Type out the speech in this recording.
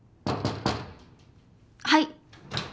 はい。